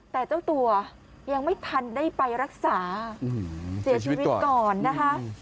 แต่เจ้าตัวยังไม่ทันได้ไปรักษาเสียชีวิตก่อนนะคะ